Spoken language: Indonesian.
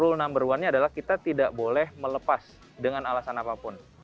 rule number one nya adalah kita tidak boleh melepas dengan alasan apapun